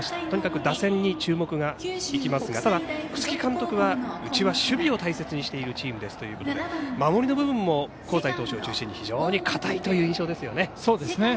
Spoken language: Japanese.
とにかく打線に注目がいきますがただ、楠城監督はうちは守備を大切にしているチームですということで守りの部分で香西投手を中心に非常に堅いという印象ですよね。